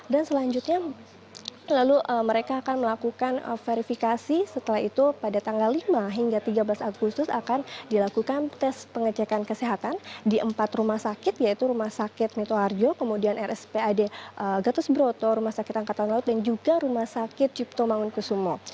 dan selanjutnya lalu mereka akan melakukan verifikasi setelah itu pada tanggal lima hingga tiga belas agustus akan dilakukan tes pengecekan kesehatan di empat rumah sakit yaitu rumah sakit mito harjo kemudian rspad gatus broto rumah sakit angkatan laut dan juga rumah sakit cipto mangun kusumo